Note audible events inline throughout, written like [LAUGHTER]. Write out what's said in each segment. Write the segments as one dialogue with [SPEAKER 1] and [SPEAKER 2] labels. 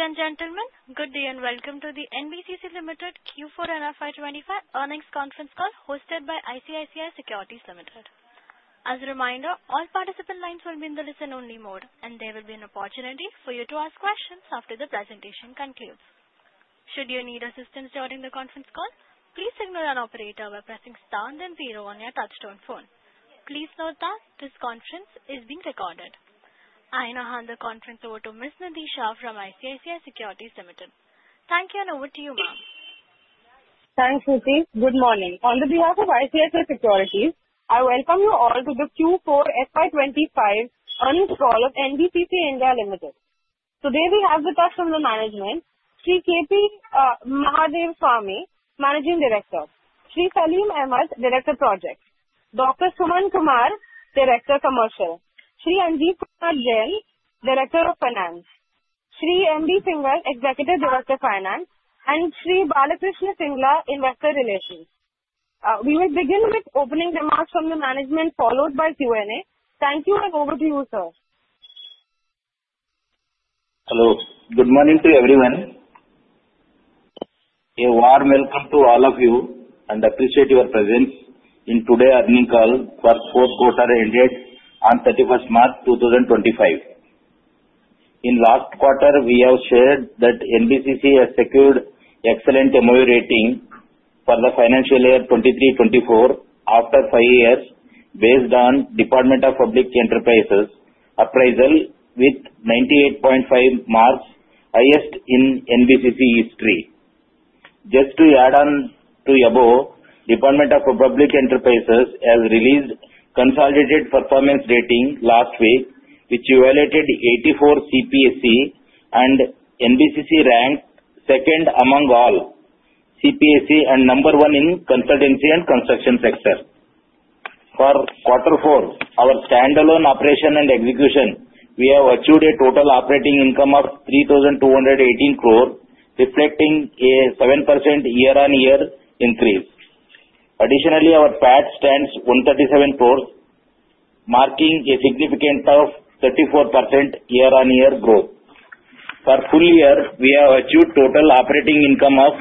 [SPEAKER 1] Ladies and gentlemen, good day and welcome to the NBCC (Indore) Limited Q4 and FY25 earnings conference call hosted by ICICI Securities Limited. As a reminder, all participant lines will be in the listen-only mode, and there will be an opportunity for you to ask questions after the presentation concludes. Should you need assistance during the conference call, please dial our operator by pressing star and then zero on your touch-tone phone. Please note that this conference is being recorded. I now hand the conference over to Ms. Nadisha from ICICI Securities Limited. Thank you, and over to you, ma'am.
[SPEAKER 2] Thanks, Nadisha. Good morning. On behalf of ICICI Securities, I welcome you all to the Q4 FY25 earnings call of NBCC (Indor.) Limited. Today, we have with us from the management, Sri K.P. Mahadevaswamy, Managing Director, Sri Saleem Ahmad, Director Projects, Dr. Suman Kumar, Director Commercial, Sri Anjit Kumar, Director of Finance, Sri M.D. Singha, Executive Director Finance, and Sri Balkrishan Singla, Investor Relations. We will begin with opening remarks from the management, followed by Q&A. Thank you, and over to you, sir.
[SPEAKER 3] Hello. Good morning to everyone. A warm welcome to all of you, and I appreciate your presence in today's earnings call for the fourth quarter ended on 31st March 2025. In the last quarter, we have shared that NBCC has secured excellent MOU rating for the financial year 2023-24 after five years, based on the Department of Public Enterprises' appraisal with 98.5 marks, highest in NBCC history. Just to add on to the above, the Department of Public Enterprises has released a consolidated performance rating last week, which evaluated 84 CPSE, and NBCC ranked second among all CPSE and number one in the consultancy and construction sector. For quarter four, our standalone operation and execution, we have achieved a total operating income of 3,218 crores, reflecting a 7% year-on-year increase. Additionally, our PAT stands at 137 crores, marking a significant 34% year-on-year growth. For the full year, we have achieved a total operating income of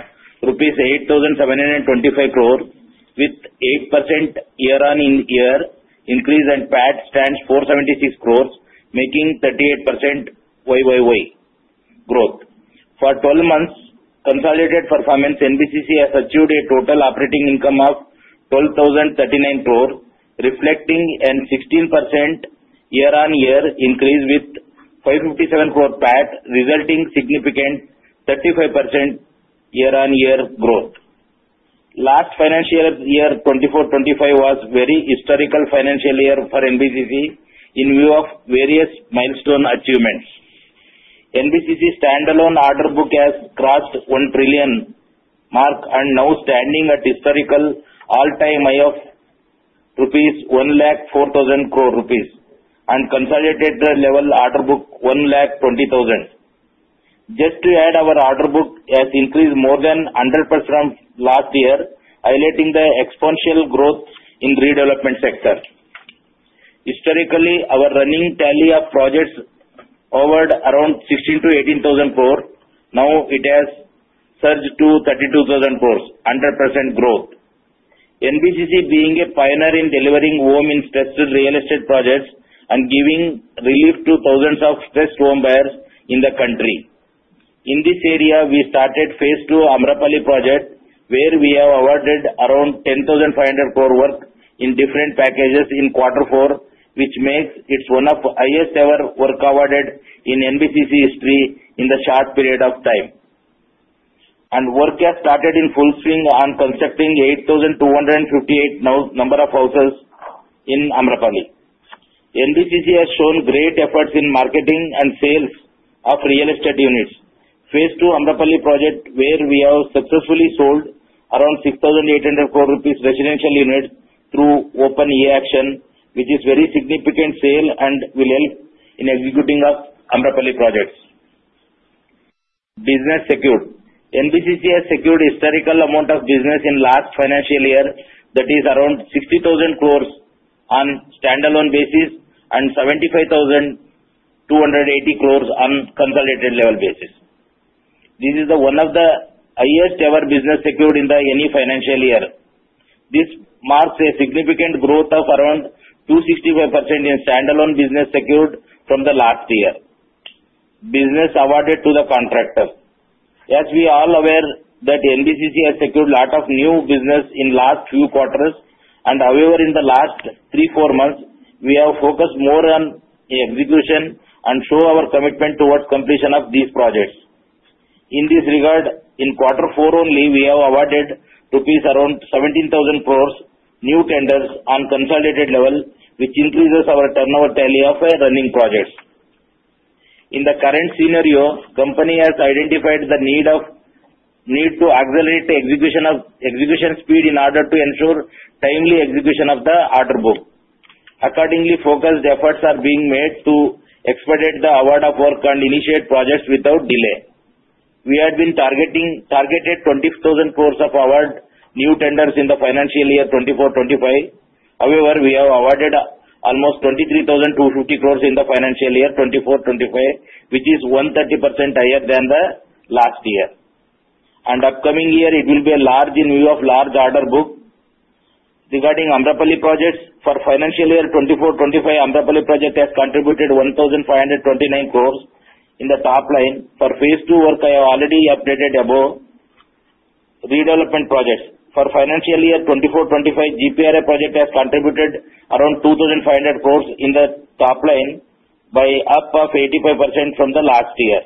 [SPEAKER 3] ₹8,725 crores, with an 8% year-on-year increase, and PAT stands at 476 crores, making a 38% growth. For the 12-month consolidated performance, NBCC has achieved a total operating income of ₹12,039 crores, reflecting a 16% year-on-year increase with a 557 crore PAT, resulting in a significant 35% year-on-year growth. Last financial year, 2024-25, was a very historical financial year for NBCC in view of various milestone achievements. NBCC's standalone order book has crossed the ₹1 trillion mark, and now we are standing at a historical all-time high of ₹104,000 crores and a consolidated level order book of ₹120,000. Just to add, our order book has increased more than 100% from last year, highlighting the exponential growth in the redevelopment sector. Historically, our running tally of projects averaged around 16,000-18,000 crores. Now it has surged to 32,000 crores, a 100% growth. NBCC is being a pioneer in delivering home and stressed real estate projects and giving relief to thousands of stressed home buyers in the country. In this area, we started phase two of the Amrapali project, where we have awarded around 10,500 crore worth in different packages in quarter four, which makes it one of the highest-ever worth awarded in NBCC's history in a short period of time. Work has started in full swing on constructing 8,258 now number of houses in Amrapali. NBCC has shown great efforts in marketing and sales of real estate units. Phase two of the Amrapali project, where we have successfully sold around ₹6,800 crore residential units through open-air auction, which is a very significant sale and will help in executing Amrapali projects. Business secured. NBCC has secured a historical amount of business in the last financial year that is around 60,000 crores on a standalone basis and 75,280 crores on a consolidated level basis. This is one of the highest-ever businesses secured in any financial year. This marks a significant growth of around 265% in standalone business secured from the last year. Business awarded to the contractor. As we are all aware, NBCC has secured a lot of new business in the last few quarters. However, in the last three to four months, we have focused more on execution and shown our commitment towards the completion of these projects. In this regard, in quarter four only, we have awarded around 17,000 crores rupees to new tenders on a consolidated level, which increases our turnover tally of running projects. In the current scenario, the company has identified the need to accelerate the execution speed in order to ensure timely execution of the order book. Accordingly, focused efforts are being made to expedite the award of work and initiate projects without delay. We have been targeting 25,000 crores of awarded new tenders in the financial year 2024-25. However, we have awarded almost 23,250 crores in the financial year 2024-25, which is 130% higher than the last year, and the upcoming year, it will be a large in view of the large order book. Regarding Amrapali projects, for the financial year 2024-25, Amrapali project has contributed 1,529 crores in the top line. For phase two work, I have already updated above. Redevelopment projects. For the financial year 2024-25, 7GPRA project has contributed around 2,500 crores in the top line by up of 85% from the last year.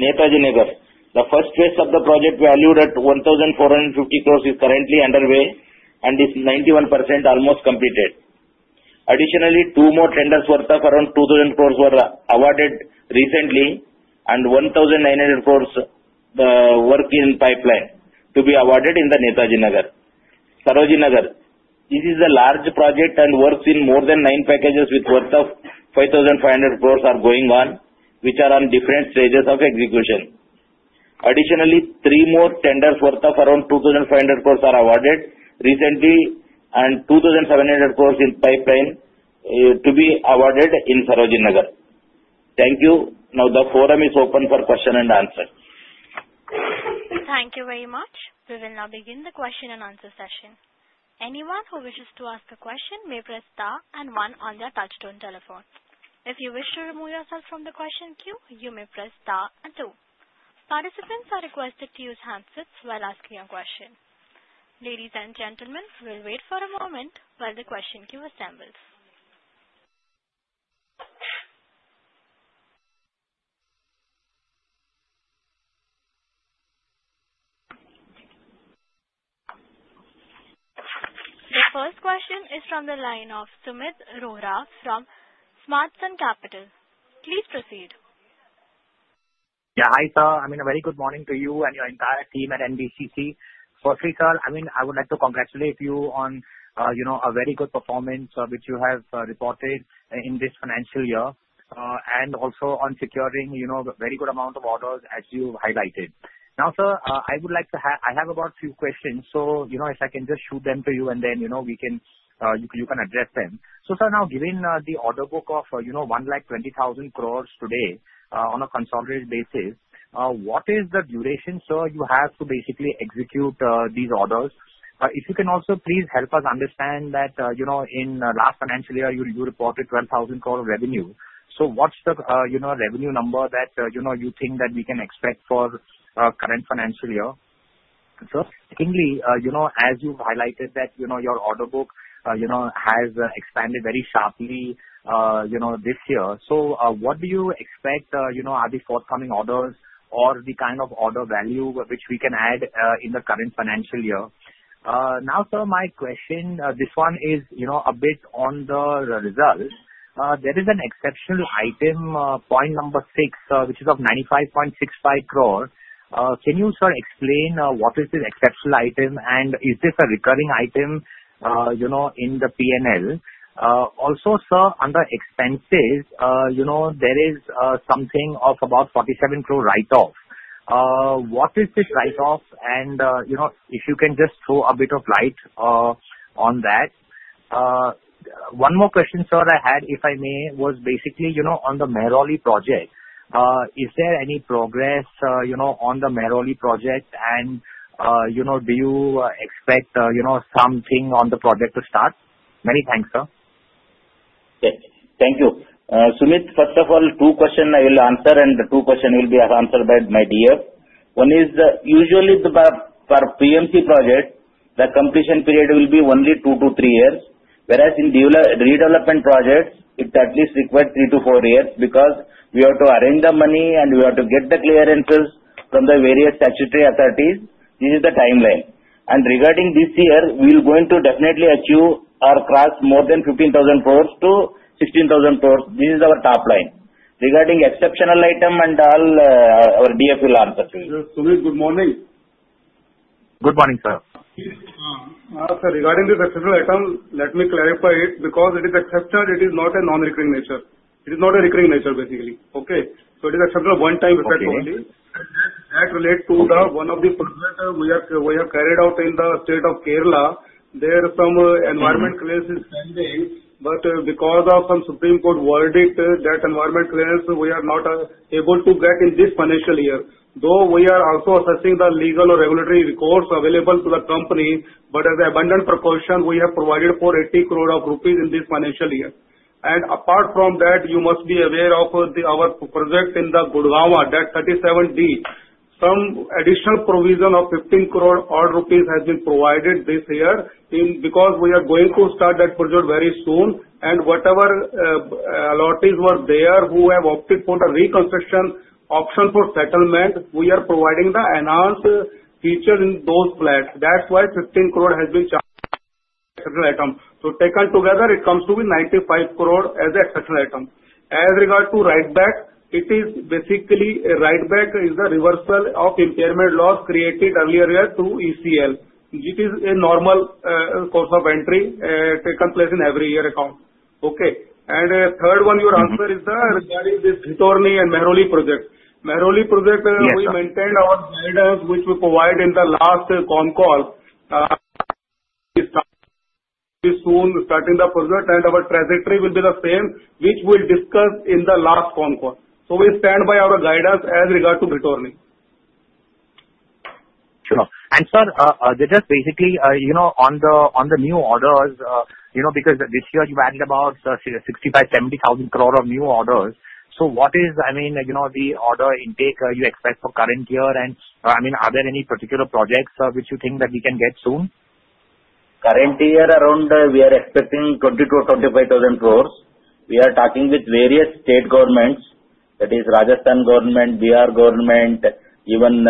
[SPEAKER 3] Netaji Nagar. The first phase of the project, valued at 1,450 crores, is currently underway and is 91% almost completed. Additionally, two more tenders worth of around 2,000 crores were awarded recently, and 1,900 crores work is in the pipeline to be awarded in the Netaji Nagar. Sarojini Nagar. This is a large project and works in more than nine packages with worth of 5,500 crores going on, which are on different stages of execution. Additionally, three more tenders worth of around 2,500 crores are awarded recently, and 2,700 crores in the pipeline to be awarded in Sarojini Nagar. Thank you. Now, the forum is open for questions and answers.
[SPEAKER 1] Thank you very much. We will now begin the question and answer session. Anyone who wishes to ask a question may press star and one on their touchstone telephone. If you wish to remove yourself from the question queue, you may press star and two. Participants are requested to use handsets while asking a question. Ladies and gentlemen, we will wait for a moment while the question queue assembles. The first question is from the line of Sumeet Rohra from SmartSync Services. Please proceed.
[SPEAKER 4] Yeah, hi sir. I mean, a very good morning to you and your entire team at NBCC. Firstly, sir, I mean, I would like to congratulate you on a very good performance which you have reported in this financial year and also on securing a very good amount of orders as you highlighted. Now, sir, I would like to have about a few questions, so if I can just shoot them to you and then you can address them. So sir, now given the order book of 120,000 crores today on a consolidated basis, what is the duration, sir, you have to basically execute these orders? If you can also please help us understand that in the last financial year you reported 12,000 crores of revenue. So what's the revenue number that you think that we can expect for the current financial year? Sir, secondly, as you've highlighted that your order book has expanded very sharply this year. So what do you expect are the forthcoming orders or the kind of order value which we can add in the current financial year? Now, sir, my question, this one is a bit on the result. There is an exceptional item, point number six, which is of 95.65 crores. Can you, sir, explain what is this exceptional item and is this a recurring item in the P&L? Also, sir, under expenses, there is something of about 47 crores write-off. What is this write-off? And if you can just throw a bit of light on that. One more question, sir, I had, if I may, was basically on the Mehrauli project. Is there any progress on the Mehrauli project and do you expect something on the project to start? Many thanks, sir.
[SPEAKER 3] Yes. Thank you. Sumit, first of all, two questions I will answer and two questions will be answered by my DF. One is usually for PMC projects, the completion period will be only two to three years, whereas in redevelopment projects, it at least requires three to four years because we have to arrange the money and we have to get the clearance from the various statutory authorities. This is the timeline, and regarding this year, we are going to definitely achieve or cross more than 15,000 crores to 16,000 crores. This is our top line. Regarding exceptional item and all, our DF will answer to you.
[SPEAKER 5] Sumit, good morning.
[SPEAKER 4] Good morning, sir.
[SPEAKER 5] Now, sir, regarding this exceptional item, let me clarify it because it is exceptional, it is not a non-recurring nature. It is not a recurring nature, basically. Okay? So it is exceptional one-time effect only. That relates to one of the projects we have carried out in the state of Kerala. There is some environment clearance pending, but because of some Supreme Court verdict, that environment clearance we are not able to get in this financial year. Though we are also assessing the legal or regulatory recourse available to the company, but as an abundant precaution, we have provided for 80 crores rupees in this financial year. And apart from that, you must be aware of our project in the Gurugram, that 37D, some additional provision of 15 crores rupees has been provided this year because we are going to start that project very soon. And whatever allottees were there who have opted for the reconstruction option for settlement, we are providing the enhanced features in those flats. That's why 15 crores has been charged as an exceptional item. So taken together, it comes to be 95 crores as an exceptional item. As regard to write-back, it is basically a write-back is the reversal of impairment loss created earlier year through ECL. It is a normal course of entry taken place in every year account. Okay? And third one, your answer is regarding this Ghitorni and Mehrauli project. Mehrauli project, we maintained our guidance which we provided in the last con call. Soon starting the project and our trajectory will be the same, which we will discuss in the last con call. So we stand by our guidance as regard to Ghitorni.
[SPEAKER 4] Sure. And sir, there is basically on the new orders, because this year you added about 65,000-70,000 crores of new orders. So what is, I mean, the order intake you expect for the current year? And I mean, are there any particular projects which you think that we can get soon?
[SPEAKER 3] Current year, around we are expecting 22,000-25,000 crores. We are talking with various state governments, that is Rajasthan government, Bihar government, even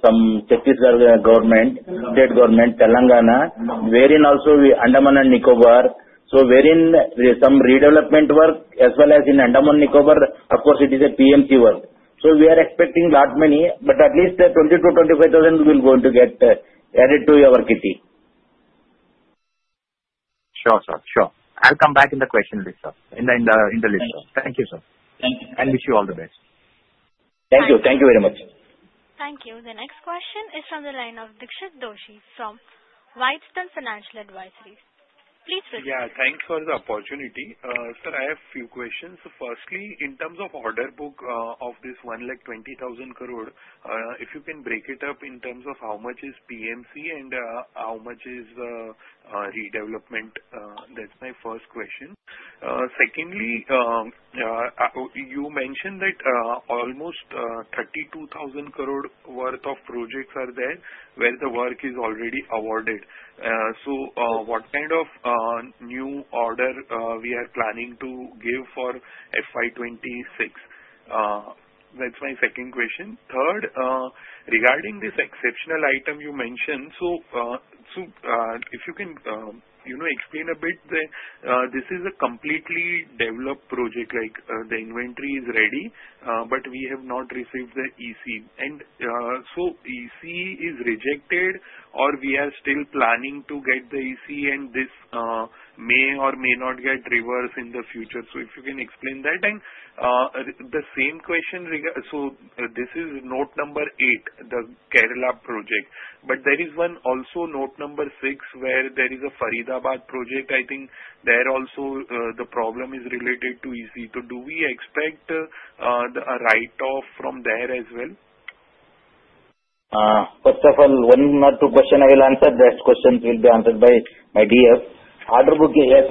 [SPEAKER 3] some Chhattisgarh government, state government, Telangana, wherein also Andaman and Nicobar. So wherein some redevelopment work as well as in Andaman and Nicobar, of course, it is a PMC work. So we are expecting a lot many, but at least the 22,000-25,000 we will going to get added to our kitty.
[SPEAKER 4] Sure, sir. Sure. I'll come back in the question list, sir, in the list. Thank you, sir.
[SPEAKER 3] Thank you.
[SPEAKER 4] Wish you all the best.
[SPEAKER 3] Thank you. Thank you very much.
[SPEAKER 1] Thank you. The next question is from the line of Dixit Doshi from Whitestone Financial Advisors. Please proceed.
[SPEAKER 6] Yeah. Thanks for the opportunity. Sir, I have a few questions. Firstly, in terms of order book of this 120,000 crore, if you can break it up in terms of how much is PMC and how much is redevelopment, that's my first question. Secondly, you mentioned that almost 32,000 crore worth of projects are there where the work is already awarded. So what kind of new order we are planning to give for FY26? That's my second question. Third, regarding this exceptional item you mentioned, so if you can explain a bit, this is a completely developed project, like the inventory is ready, but we have not received the EC. And so EC is rejected or we are still planning to get the EC, and this may or may not get reversed in the future. So if you can explain that. And the same question, so this is note number eight, the Kerala project. But there is one also note number six where there is a Faridabad project. I think there also the problem is related to EC. So do we expect a write-off from there as well?
[SPEAKER 3] First of all, one or two questions I will answer. The rest questions will be answered by my DF. Order book as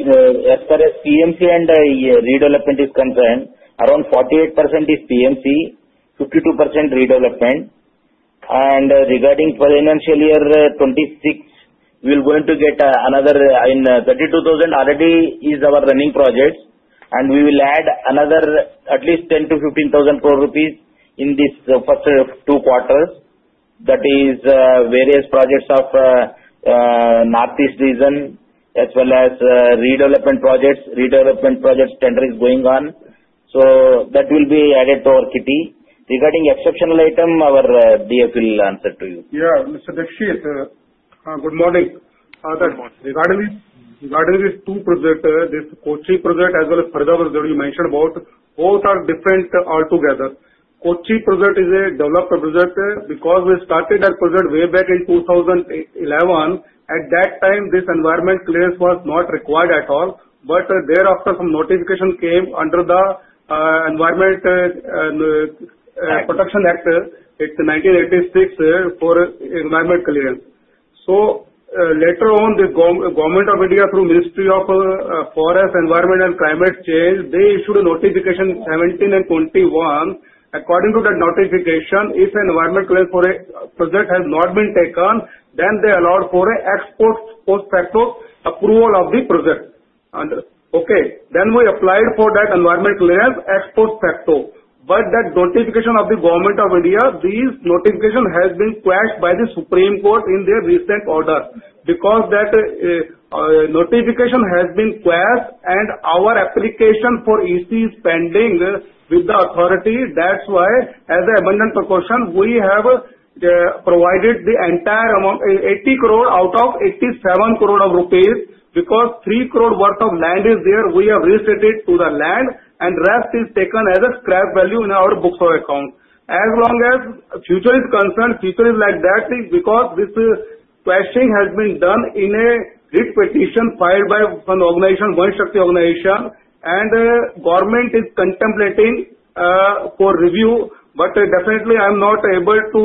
[SPEAKER 3] far as PMC and redevelopment is concerned, around 48% is PMC, 52% redevelopment. Regarding financial year 26, we are going to get another 32,000 already is our running project. We will add another at least 10,000-15,000 crore rupees in these first two quarters. That is various projects of Northeast region as well as redevelopment projects. Redevelopment project tender is going on. So that will be added to our kitty. Regarding exceptional item, our DF will answer to you.
[SPEAKER 5] Yeah. Mr. Dixit, good morning. Regarding these two projects, this Kochi project as well as Faridabad, you mentioned about, both are different altogether. Kochi project is a developed project because we started that project way back in 2011. At that time, this environment clearance was not required at all. But thereafter, some notification came under the Environment Protection Act, it's 1986 for environment clearance. So later on, the Government of India through Ministry of Environment, Forest and Climate Change, they issued a notification 17 and 21. According to that notification, if environment clearance for a project has not been taken, then they allowed for an ex post facto approval of the project. Okay? Then we applied for that environment clearance ex post facto. But that notification of the Government of India, these notifications have been quashed by the Supreme Court in their recent order because that notification has been quashed and our application for EC is pending with the authority. That's why, as an abundant precaution, we have provided the entire amount, ₹80 crore out of ₹87 crore because ₹3 crore worth of land is there. We have restated to the land, and the rest is taken as a scrap value in our books of account. As long as future is concerned, future is like that because this questioning has been done in a PIL petition filed by an organization, Vanashakti organization, and the government is contemplating for review. But definitely, I'm not able to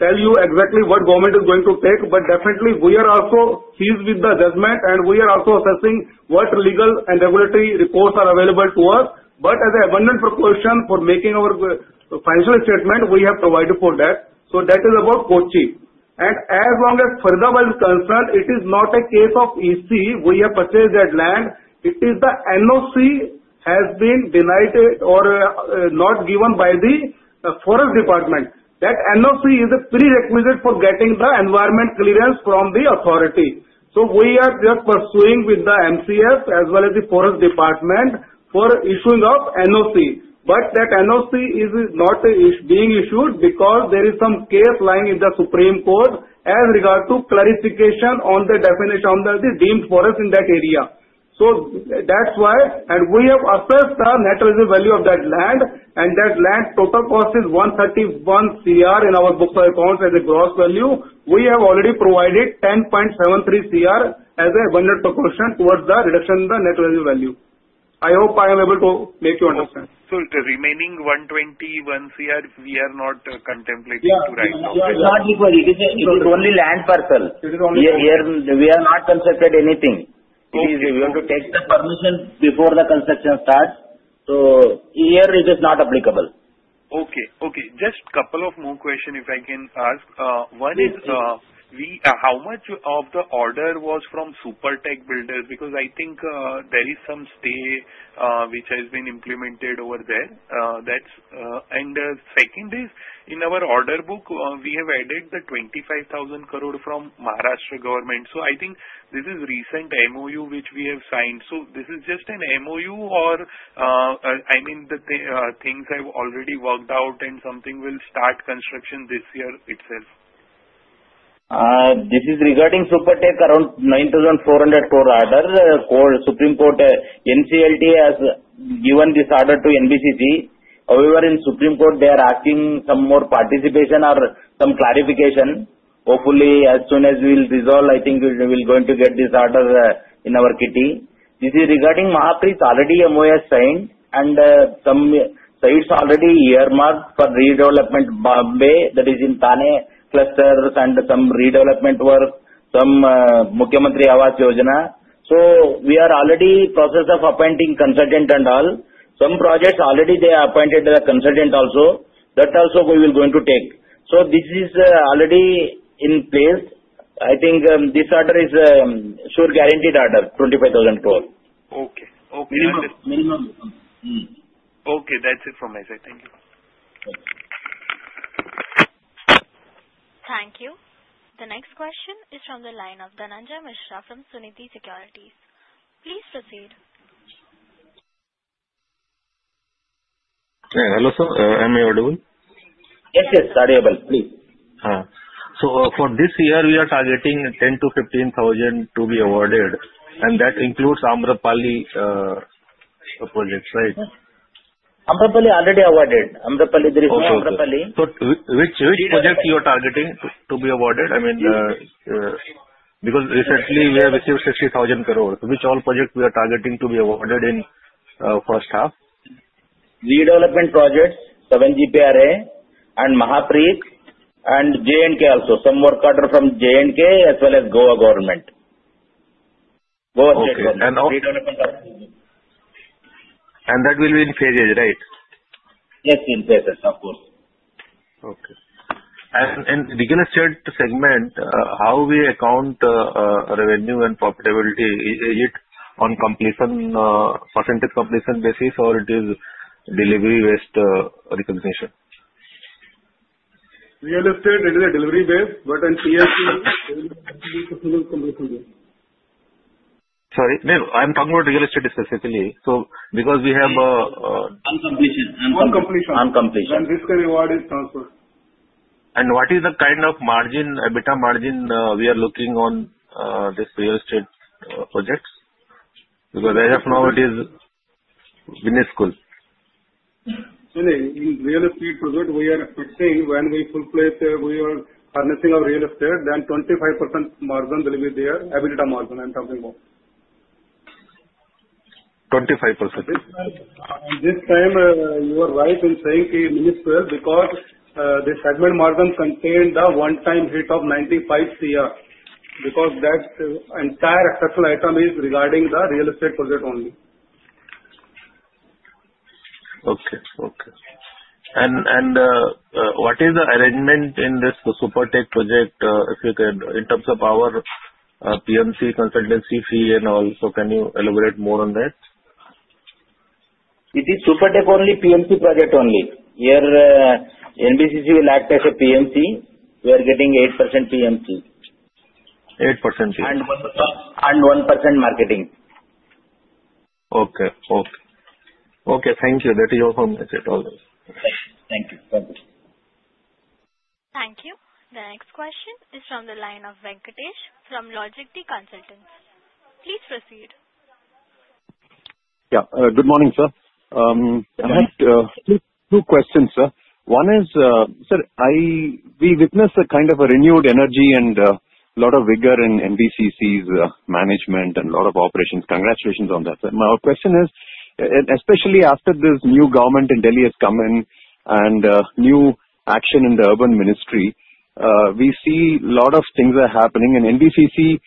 [SPEAKER 5] tell you exactly what government is going to take. But definitely, we are also seized with the judgment, and we are also assessing what legal and regulatory recourse are available to us. But as an abundant precaution for making our financial statement, we have provided for that. So that is about Kochi. And as far as Faridabad is concerned, it is not a case of EC. We have purchased that land. It is the NOC has been denied or not given by the Forest Department. That NOC is a prerequisite for getting the environment clearance from the authority. So we are just pursuing with the MCF as well as the Forest Department for issuing of NOC. But that NOC is not being issued because there is some case lying in the Supreme Court as regard to clarification on the definition of the deemed forest in that area. So that's why, and we have assessed the net reserve value of that land, and that land total cost is 131 crore in our books of accounts as a gross value. We have already provided 10.73 crore as an abundant precaution towards the reduction in the net reserve value. I hope I am able to make you understand.
[SPEAKER 6] So the remaining 121 crore, we are not contemplating to write off?
[SPEAKER 3] It is not required. It is only land parcel.
[SPEAKER 5] It is only land parcel.
[SPEAKER 3] We have not constructed anything. We have to take the permission before the construction starts. So here, it is not applicable.
[SPEAKER 6] Okay. Okay. Just a couple of more questions if I can ask. One is how much of the order was from Supertech Limited? Because I think there is some stay which has been implemented over there. And second is, in our order book, we have added the 25,000 crore from Maharashtra government. So I think this is recent MOU which we have signed. So this is just an MOU, or I mean, the things have already worked out and something will start construction this year itself.
[SPEAKER 3] This is regarding Supertech, around ₹9,400 crore order. Supreme Court NCLT has given this order to NBCC. However, in Supreme Court, they are asking some more participation or some clarification. Hopefully, as soon as we will resolve, I think we will going to get this order in our kitty. This is regarding MAHAPREIT, already MOU has signed, and some sites already earmarked for redevelopment, Mumbai, that is in Thane clusters, and some redevelopment work, some Mukhyamantri Awas Yojana. So we are already in the process of appointing consultant and all. Some projects, already they are appointed the consultant also. That also, we will going to take. So this is already in place. I think this order is a sure guaranteed order, ₹25,000 crore.
[SPEAKER 6] Okay. Okay.
[SPEAKER 3] Minimum.
[SPEAKER 6] Minimum. Okay. That's it from my side. Thank you.
[SPEAKER 1] Thank you. The next question is from the line of Dhananjay Mishra from Sunidhi Securities. Please proceed.
[SPEAKER 7] Hello, sir. Am I audible?
[SPEAKER 3] Yes, yes. Audible. Please.
[SPEAKER 7] So for this year, we are targeting ₹10,000-₹15,000 to be awarded. And that includes Amrapali projects, right?
[SPEAKER 3] Amrapali already awarded. Amrapali, there is no Amrapali.
[SPEAKER 7] Which projects you are targeting to be awarded? I mean, because recently, we have received ₹60,000 crore. Which all projects we are targeting to be awarded in the first half?
[SPEAKER 3] Redevelopment projects, 7GPRA, and MAHAPREIT, and J&K also. Some work order from J&K as well as Goa government. Goa State Government.
[SPEAKER 7] Okay. And that will be in phases, right?
[SPEAKER 3] Yes, in phases, of course.
[SPEAKER 7] Okay. And in real estate segment, how we account revenue and profitability? Is it on percentage completion basis, or it is delivery-based recognition?
[SPEAKER 5] Real estate is a delivery-based, but in EPC, it is a single completion-based.
[SPEAKER 7] Sorry. No, I'm talking about real estate specifically. So because we have a.
[SPEAKER 3] Uncompletion.
[SPEAKER 5] Uncompletion. Uncompletion. completion, and risk and reward is transfer.
[SPEAKER 7] What is the kind of margin, EBITDA margin, we are looking on these real estate projects? Because as of now, it is minuscule.
[SPEAKER 5] In real estate project, we are expecting when we fully furnishing our real estate, then 25% margin will be there, EBITDA margin. I'm talking about.
[SPEAKER 7] 25%.
[SPEAKER 5] This time, you are right in saying minuscule because the segment margin contains the one-time hit of 95 crore. Because that entire structural item is regarding the real estate project only.
[SPEAKER 7] Okay. Okay. And what is the arrangement in this Supertech project, if you can, in terms of our PMC consultancy fee and all? So can you elaborate more on that?
[SPEAKER 3] It is Supertech only, PMC project only. Here NBCC will act as a PMC. We are getting 8% PMC.
[SPEAKER 7] 8%.
[SPEAKER 3] And 1% marketing.
[SPEAKER 7] Okay. Thank you. That is all from my side. All right.
[SPEAKER 3] Thank you. Thank you.
[SPEAKER 1] Thank you. The next question is from the line of Venkatesh from LogicTree Consultants. Please proceed.
[SPEAKER 8] Yeah. Good morning, sir. I have two questions, sir. One is, sir, we witnessed a kind of a renewed energy and a lot of vigor in NBCC's management and a lot of operations. Congratulations on that, sir. My question is, especially after this new government in Delhi has come in and new action in the Urban Ministry, we see a lot of things are happening. And NBCC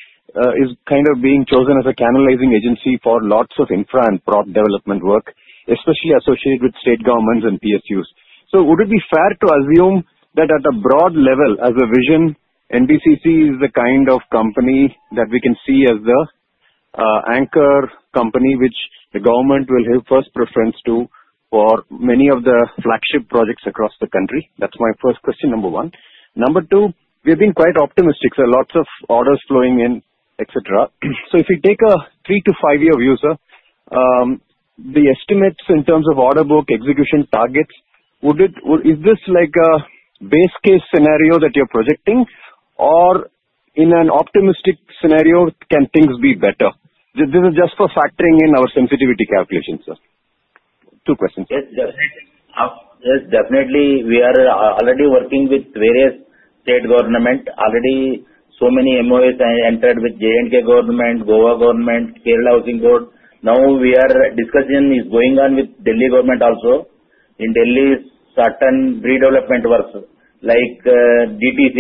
[SPEAKER 8] is kind of being chosen as a canalizing agency for lots of infra and prop development work, especially associated with state governments and PSUs. So would it be fair to assume that at a broad level, as a vision, NBCC is the kind of company that we can see as the anchor company which the government will have first preference to for many of the flagship projects across the country? That's my first question, number one. Number two, we have been quite optimistic, sir. Lots of orders flowing in, etc. So if we take a three to five-year view, sir, the estimates in terms of order book execution targets, is this like a base case scenario that you're projecting, or in an optimistic scenario, can things be better? This is just for factoring in our sensitivity calculations, sir. Two questions.
[SPEAKER 3] Definitely. We are already working with various state government. Already so many MOUs have entered with J&K government, Goa government, Kerala Housing Board. Now discussions are going on with Delhi government also. In Delhi, certain redevelopment works like DTC,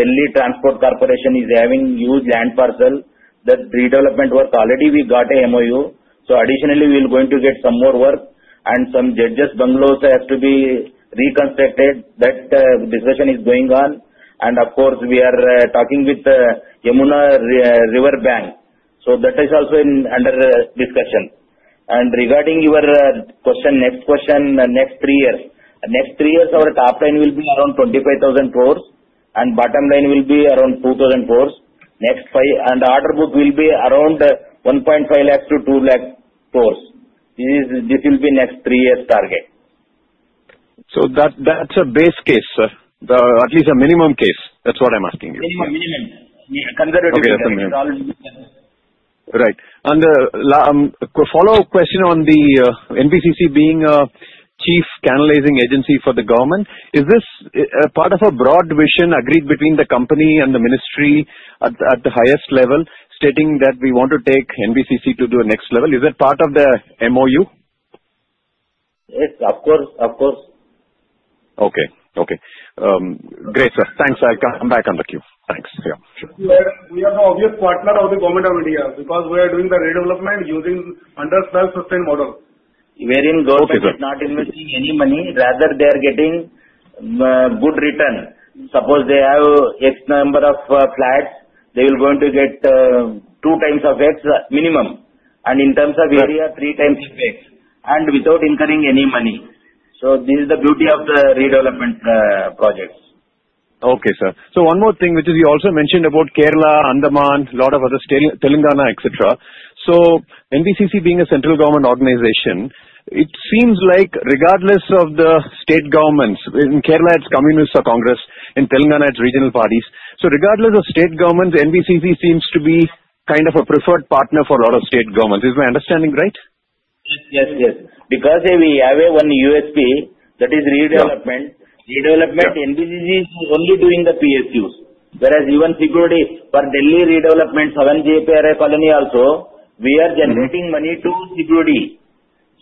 [SPEAKER 3] Delhi Transport Corporation is having huge land parcel. That redevelopment work, already we got an MOU. So additionally, we are going to get some more work. Some judges' bungalows have to be reconstructed. That discussion is going on. Of course, we are talking with Yamuna River Bank. So that is also under discussion. Regarding your question, next question, next three years. Next three years, our top line will be around 25,000 crores, and bottom line will be around 2,000 crores. Next five, and order book will be around 1.5 lakh-2 lakh crores. This will be next three years' target.
[SPEAKER 8] So that's a base case, sir. At least a minimum case. That's what I'm asking you.
[SPEAKER 3] Minimum. Conservative basis.
[SPEAKER 8] Right. And follow-up question on the NBCC being a chief canalizing agency for the government. Is this part of a broad vision agreed between the company and the ministry at the highest level, stating that we want to take NBCC to the next level? Is that part of the MOU?
[SPEAKER 3] Yes. Of course. Of course.
[SPEAKER 8] Okay. Okay. Great, sir. Thanks. I'll come back on the queue. Thanks. Yeah.
[SPEAKER 5] We are the obvious partner of the Government of India because we are doing the redevelopment using our self-sustained model.
[SPEAKER 3] Owners are those who are not investing any money. Rather, they are getting good return. Suppose they have X number of flats, they are going to get two times of X minimum. In terms of area, three times X. Without incurring any money. This is the beauty of the redevelopment projects.
[SPEAKER 8] Okay, sir. So one more thing, which is you also mentioned about Kerala, Andaman, a lot of other Telangana, etc. So NBCC being a central government organization, it seems like regardless of the state governments, in Kerala, it's Communist or Congress. In Telangana, it's regional parties. So regardless of state governments, NBCC seems to be kind of a preferred partner for a lot of state governments. Is my understanding right?
[SPEAKER 3] Yes. Yes. Yes. Because we have one USP that is redevelopment. Redevelopment, NBCC is only doing the PSUs. Whereas even CPSE for Delhi redevelopment, 7GPRA colony also, we are generating money to CPSE.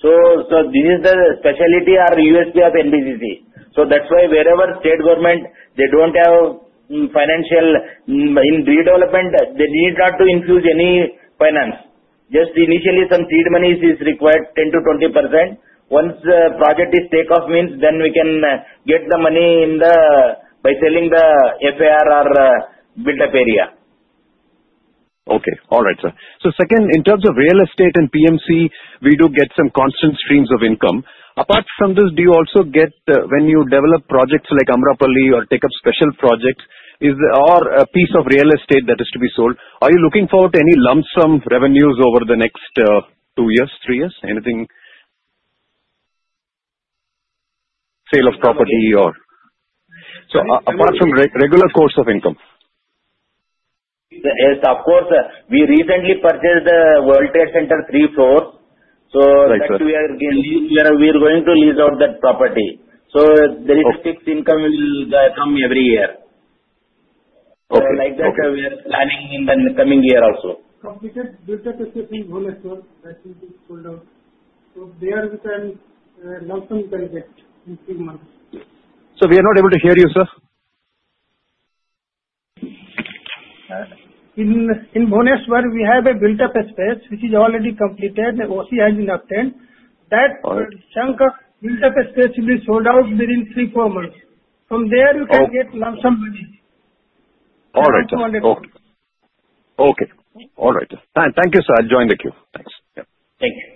[SPEAKER 3] So this is the specialty or USP of NBCC. That's why wherever state government, they don't have financial in redevelopment, they need not to infuse any finance. Just initially, some seed money is required, 10%-20%. Once the project is takeoff, means then we can get the money by selling the FAR or built-up area.
[SPEAKER 8] Okay. All right, sir. So second, in terms of real estate and PMC, we do get some constant streams of income. Apart from this, do you also get when you develop projects like Amrapali or take up special projects, is there a piece of real estate that is to be sold? Are you looking forward to any lump sum revenues over the next two years, three years? Anything? Sale of property or? So apart from regular course of income.
[SPEAKER 3] Yes. Of course. We recently purchased the World Trade Center, three floors, so we are going to lease out that property, so there is fixed income will come every year, and like that, we are planning in the coming year also.
[SPEAKER 9] Completed built-up space in Bhubaneswar, that will be sold out. So there we can lump sum transact in three months.
[SPEAKER 8] So we are not able to hear you, sir.
[SPEAKER 9] In Bhubaneswar, we have a built-up space which is already completed. OC has been obtained. That chunk of built-up space will be sold out within three, four months. From there, you can get lump sum money.
[SPEAKER 8] All right.
[SPEAKER 9] ₹2,000 crore. Okay. All right. Thank you, sir. I'll join the queue. Thanks.
[SPEAKER 3] Thank you.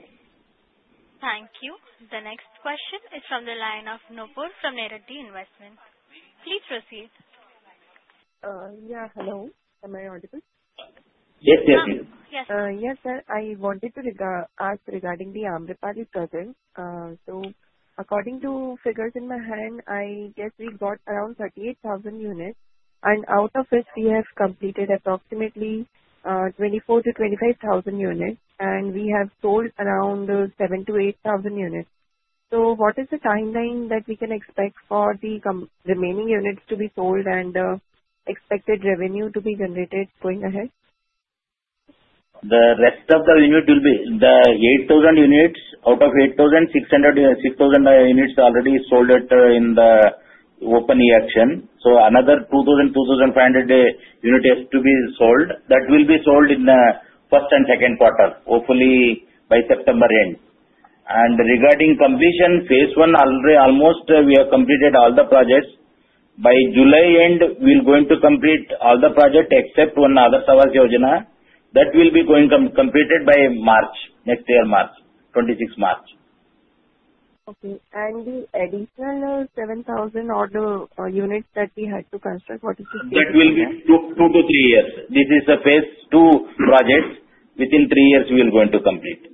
[SPEAKER 1] Thank you. The next question is from the line of Nupur from Niriti Investments. Please proceed.
[SPEAKER 10] Yeah. Hello. Am I audible?
[SPEAKER 3] Yes. Yes. Yes.
[SPEAKER 10] Yes. Yes, sir. I wanted to ask regarding the Amrapali project. So according to figures in my hand, I guess we got around 38,000 units. And out of it, we have completed approximately 24,000-25,000 units. And we have sold around 7,000-8,000 units. So what is the timeline that we can expect for the remaining units to be sold and expected revenue to be generated going ahead?
[SPEAKER 3] The rest of the revenue will be the 8,000 units. Out of 8,600 units already sold in the open e-auction. So another 2,000-2,500 units have to be sold. That will be sold in the first and second quarter, hopefully by September end. Regarding completion, phase one, already almost we have completed all the projects. By July end, we will going to complete all the projects except one other Awas Yojana. That will be going completed by March, next year, March, 26 March.
[SPEAKER 10] Okay. And the additional 7,000 units that we had to construct, what is the schedule?
[SPEAKER 3] That will be two to three years. This is the phase two projects. Within three years, we will going to complete.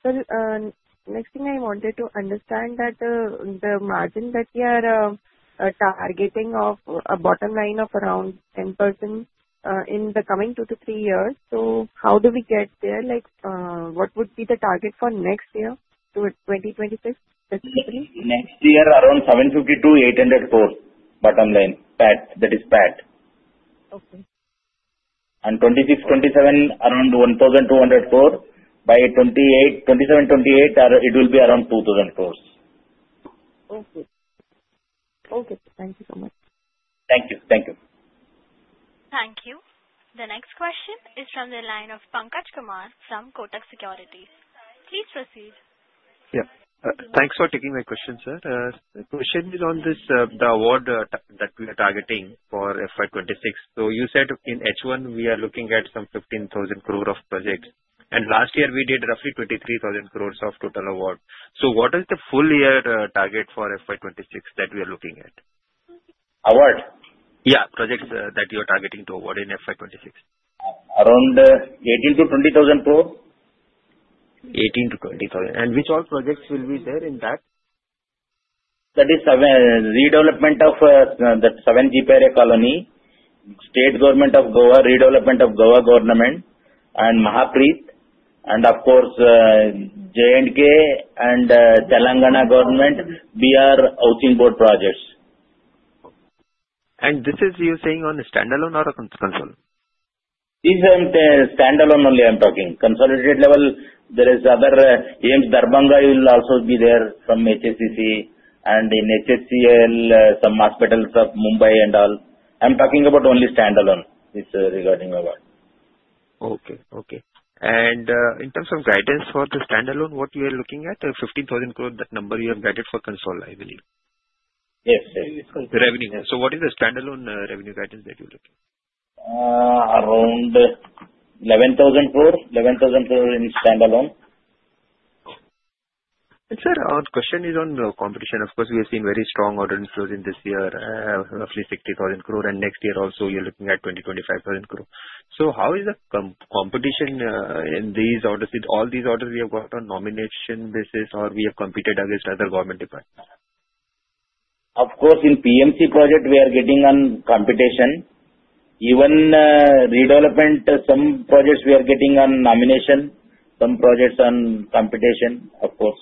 [SPEAKER 10] Sir, next thing I wanted to understand that the margin that we are targeting of a bottom line of around 10,000 in the coming two to three years. So how do we get there? What would be the target for next year, 2026 specifically?
[SPEAKER 3] Next year, around 750-800 crores bottom line. That is PAT.
[SPEAKER 10] Okay.
[SPEAKER 3] 2026, 2027, around 1,200 crores. By 2027, 2028, it will be around 2,000 crores.
[SPEAKER 10] Okay. Okay. Thank you so much.
[SPEAKER 3] Thank you. Thank you.
[SPEAKER 1] Thank you. The next question is from the line of Pankaj Kumar from Kotak Securities. Please proceed.
[SPEAKER 11] Yeah. Thanks for taking my question, sir. The question is on the award that we are targeting for FY26. So you said in H1, we are looking at some 15,000 crore of projects. And last year, we did roughly 23,000 crores of total award. So what is the full year target for FY26 that we are looking at?
[SPEAKER 3] Award?
[SPEAKER 11] Yeah. Projects that you are targeting to award in FY26?
[SPEAKER 3] Around 18,000-20,000 crores.
[SPEAKER 11] 18 to 20,000. And which all projects will be there in that?
[SPEAKER 3] That is redevelopment of the 7GPRA colony, state government of Goa, redevelopment of Goa government, and MAHAPREIT. And of course, J&K and Telangana government, Bihar Housing Board projects.
[SPEAKER 11] This is you saying on standalone or consolidated?
[SPEAKER 3] Standalone only, I'm talking. Consolidated level, there is other AIIMS Darbhanga will also be there from HSCC, and in HSCL, some hospitals of Mumbai and all. I'm talking about only standalone regarding award.
[SPEAKER 11] And in terms of guidance for the standalone, what we are looking at, 15,000 crore. That number you have guided for consolidated, I believe.
[SPEAKER 3] Yes.
[SPEAKER 11] Revenue. So, what is the standalone revenue guidance that you're looking?
[SPEAKER 3] Around 11,000 crores. 11,000 crores in standalone.
[SPEAKER 11] Sir, our question is on the competition. Of course, we have seen very strong order inflows in this year, roughly 60,000 crores. Next year also, you're looking at 20,000-25,000 crores. So how is the competition in these orders? All these orders we have got on nomination basis or we have competed against other government departments?
[SPEAKER 3] Of course, in PMC project, we are getting on competition. Even redevelopment, some projects we are getting on nomination. Some projects on competition, of course.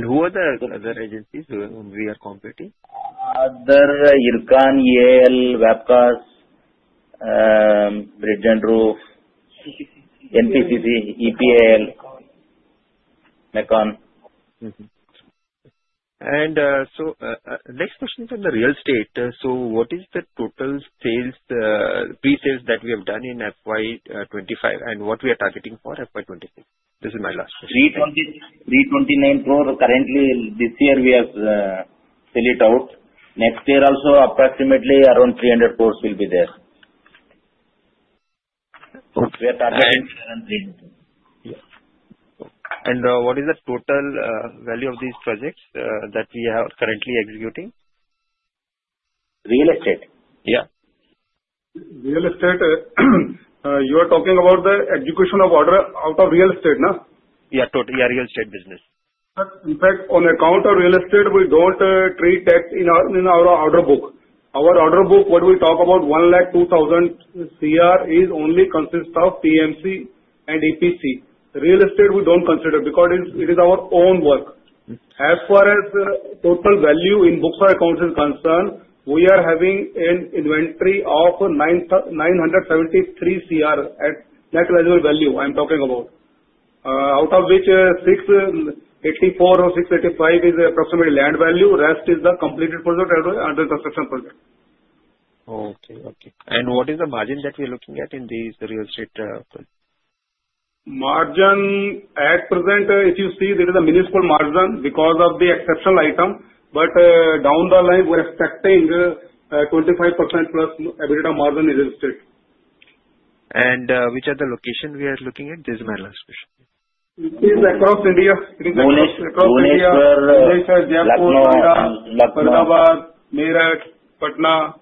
[SPEAKER 11] Who are the other agencies we are competing?
[SPEAKER 3] Other IRCON, EPIL, WAPCOS, Bridge and Roof, NPCC, EPIL, MECON.
[SPEAKER 11] And so next question is on the real estate. So what is the total sales, pre-sales that we have done in FY25 and what we are targeting for FY26? This is my last question.
[SPEAKER 3] 329 crores currently. This year we have sold it out. Next year also, approximately around 300 crores will be there. We are targeting around 300.
[SPEAKER 11] What is the total value of these projects that we are currently executing?
[SPEAKER 3] Real estate?
[SPEAKER 11] Yeah.
[SPEAKER 5] Real estate, you are talking about the execution of order out of real estate, no?
[SPEAKER 11] Yeah. Totally. Yeah. Real estate business.
[SPEAKER 5] Sir, in fact, on account of real estate, we don't treat that in our order book. Our order book, what we talk about, 102,000 CR is only consists of PMC and EPC. Real estate, we don't consider because it is our own work. As far as total value in books or accounts is concerned, we are having an inventory of 973 CR at net realizable value, I'm talking about. Out of which, 84 or 685 is approximately land value. Rest is the completed project under construction project.
[SPEAKER 11] What is the margin that we are looking at in these real estate projects?
[SPEAKER 5] Margin at present, if you see, there is a minimal margin because of the exceptional item. But down the line, we're expecting 25% plus EBITDA margin in real estate.
[SPEAKER 11] Which are the locations we are looking at? This is my last question.
[SPEAKER 5] It is across India.
[SPEAKER 3] Bhuleshwar, Lucknow, India.
[SPEAKER 5] Jaipur, Noida, Ahmedabad, Meerut, Patna,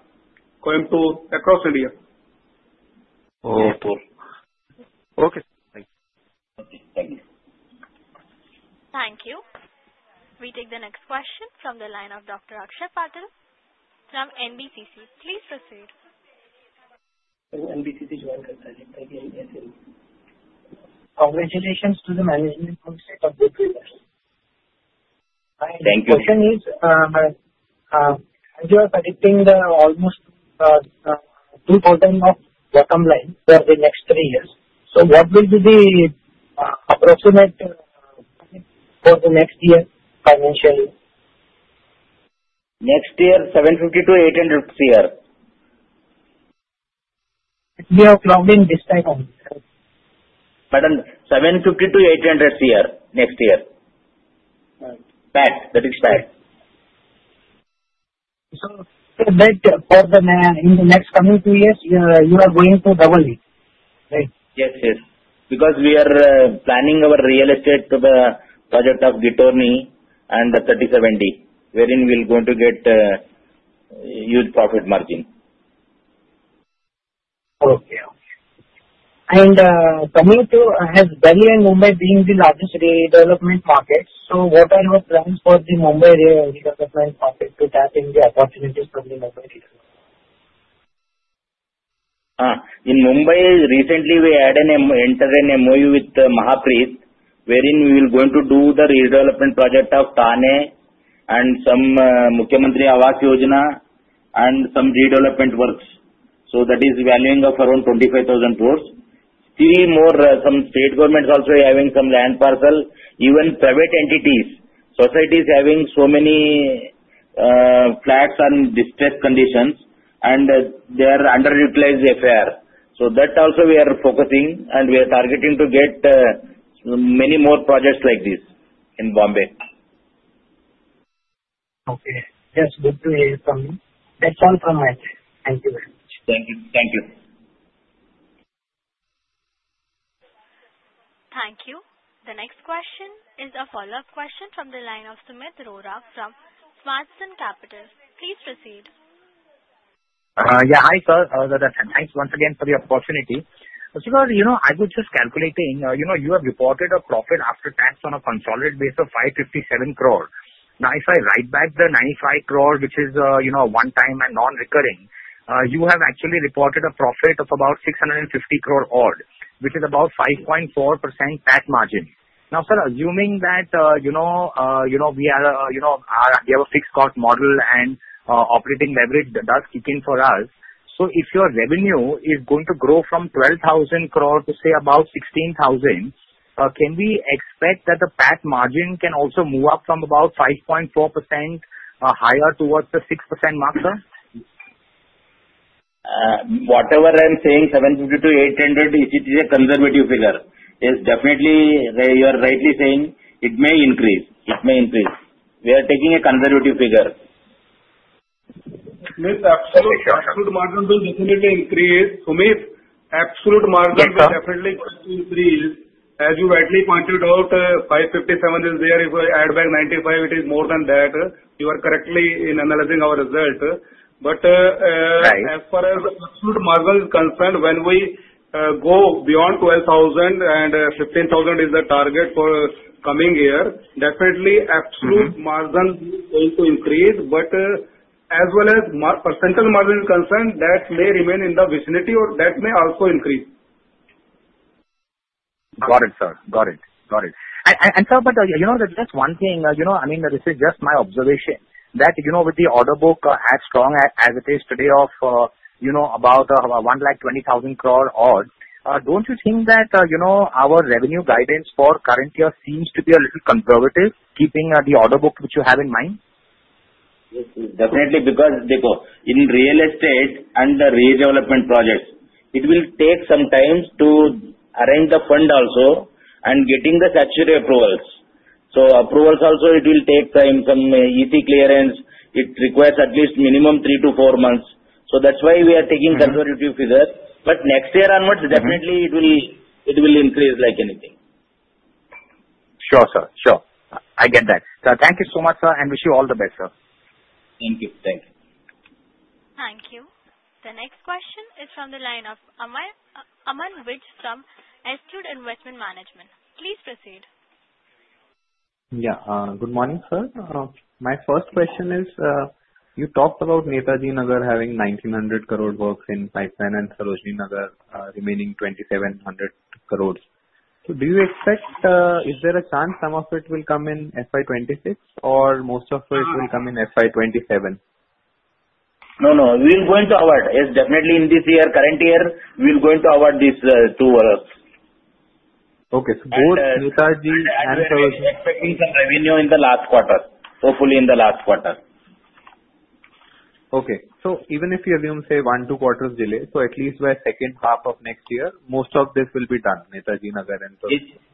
[SPEAKER 5] Coimbatore, across India.
[SPEAKER 11] Okay. Thank you.
[SPEAKER 1] Thank you. We take the next question from the line of Dr. Akshay Patil. From NBCC, please proceed.
[SPEAKER 12] NBCC joined. Congratulations to the management on setup.
[SPEAKER 3] Thank you.
[SPEAKER 12] My question is, as you are predicting the almost 2,000 of bottom line for the next three years, so what will be the approximate for the next year financial?
[SPEAKER 3] Next year, INR 750-INR 800 crore.
[SPEAKER 12] We are clowning this time.
[SPEAKER 3] Madam, 750-800 crore next year. PAT. That is PAT.
[SPEAKER 12] So that for the next coming two years, you are going to double it, right?
[SPEAKER 3] Yes. Yes. Because we are planning our real estate project of Ghitorni and the 37D, wherein we are going to get huge profit margin.
[SPEAKER 12] Coming to, as Delhi and Mumbai being the largest redevelopment markets, so what are your plans for the Mumbai redevelopment market to tap into the opportunities from the Mumbai redevelopment?
[SPEAKER 3] In Mumbai, recently, we had entered an MOU with MAHAPREIT, wherein we are going to do the redevelopment project of Thane and some Mukhyamantri Awas Yojana and some redevelopment works. So that is valuing of around 25,000 crores. Still, more some state governments also having some land parcel. Even private entities, societies having so many flats on distressed conditions, and they are underutilized FAR. So that also we are focusing, and we are targeting to get many more projects like this in Bombay.
[SPEAKER 12] Okay. Yes. Good to hear from you. That's all from my side. Thank you very much.
[SPEAKER 3] Thank you. Thank you.
[SPEAKER 1] Thank you. The next question is a follow-up question from the line of Sumit Rohra from SmartSync Services. Please proceed.
[SPEAKER 4] Yeah. Hi, sir. Thanks once again for the opportunity. Sir, I was just calculating. You have reported a profit after tax on a consolidated basis of 557 crores. Now, if I write back the 95 crores, which is a one-time and non-recurring, you have actually reported a profit of about 650 crores odd, which is about 5.4% PAT margin. Now, sir, assuming that we have a fixed cost model and operating leverage does kick in for us, so if your revenue is going to grow from 12,000 crores to, say, about 16,000 crores, can we expect that the PAT margin can also move up from about 5.4% higher towards the 6% mark, sir?
[SPEAKER 3] Whatever I am saying, 750 to 800, if it is a conservative figure, is definitely you are rightly saying it may increase. It may increase. We are taking a conservative figure.
[SPEAKER 5] Sumit, absolute margin will definitely increase. As you rightly pointed out, 557 is there. If we add back 95, it is more than that. You are correct in analyzing our results. But as far as absolute margin is concerned, when we go beyond 12,000 and 15,000 is the target for coming year, definitely absolute margin is going to increase. But as well as percentage margin is concerned, that may remain in the vicinity or that may also increase.
[SPEAKER 4] Got it, sir. Got it. Got it. And sir, but just one thing. I mean, this is just my observation that with the order book as strong as it is today of about 120,000 crores odd, don't you think that our revenue guidance for current year seems to be a little conservative, keeping the order book which you have in mind?
[SPEAKER 3] Definitely. Because in real estate and the redevelopment projects, it will take some time to arrange the fund also and getting the statutory approvals. So approvals also, it will take time. Some EC clearance, it requires at least minimum three to four months. So that's why we are taking conservative figures. But next year onwards, definitely it will increase like anything.
[SPEAKER 4] Sure, sir. Sure. I get that. Thank you so much, sir, and wish you all the best, sir.
[SPEAKER 3] Thank you.
[SPEAKER 5] Thank you.
[SPEAKER 1] Thank you. The next question is from the line of Aman Vij from Astute Investment Management. Please proceed.
[SPEAKER 13] Yeah. Good morning, sir. My first question is, you talked about Netaji Nagar having 1,900 crore works in pipeline and Sarojini Nagar remaining 2,700 crores. So do you expect is there a chance some of it will come in FY26 or most of it will come in FY27?
[SPEAKER 3] No, no. We are going to award. It's definitely in this year, current year, we are going to award these two works.
[SPEAKER 13] Okay. So both Netaji Nagar and Sarojini Nagar?
[SPEAKER 3] We are expecting some revenue in the last quarter, hopefully in the last quarter.
[SPEAKER 13] Okay. So even if you assume, say, one, two quarters delay, so at least by second half of next year, most of this will be done, Netaji Nagar and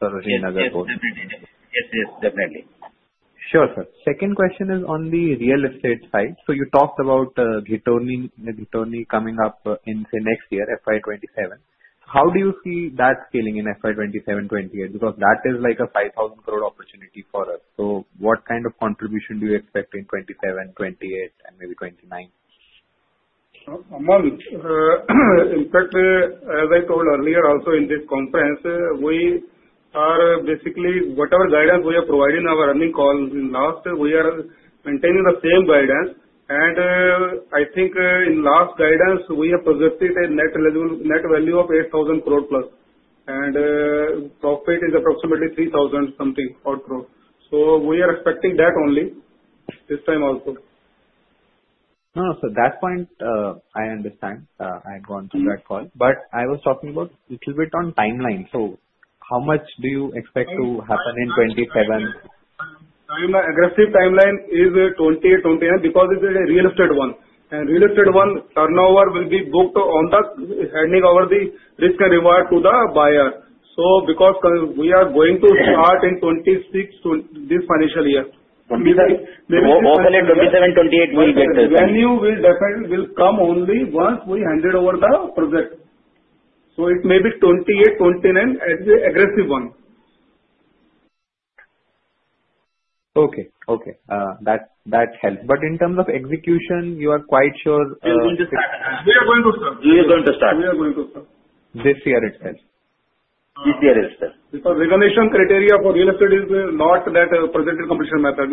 [SPEAKER 13] Sarojini Nagar works.
[SPEAKER 3] Yes. Yes. Yes. Yes. Definitely.
[SPEAKER 13] Sure, sir. Second question is on the real estate side. So you talked about Ghitorni coming up in, say, next year, FY27. How do you see that scaling in FY27, 28? Because that is like a 5,000 crore opportunity for us. So what kind of contribution do you expect in 27, 28, and maybe 29?
[SPEAKER 5] In fact, as I told earlier, also in this conference, we are basically whatever guidance we are providing our earning calls in last, we are maintaining the same guidance, and I think in last guidance, we have projected a net value of 8,000 crore plus, and profit is approximately 3,000 something odd crore, so we are expecting that only this time also.
[SPEAKER 13] So at that point, I understand. I have gone through that call. But I was talking about a little bit on timeline. So how much do you expect to happen in 2027?
[SPEAKER 5] Aggressive timeline is 2028-2029 because it is a real estate one, and real estate one, turnover will be booked on the handing over the risk and reward to the buyer, so because we are going to start in 2026 this financial year. Maybe 2027-2028 will get this. Revenue will definitely come only once we handed over the project, so it may be 2028-2029 as the aggressive one.
[SPEAKER 13] Okay. Okay. That helps. But in terms of execution, you are quite sure?
[SPEAKER 5] We are going to start.
[SPEAKER 3] We are going to start.
[SPEAKER 5] We are going to start. This year itself.
[SPEAKER 3] This year itself.
[SPEAKER 5] Because revenue recognition criteria for real estate is not the percentage completion method.